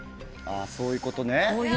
そういうことね。